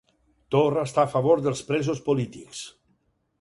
Torra està a favor dels presos polítics